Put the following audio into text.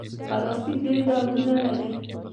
پلاستيک ډېر ډولونه لري.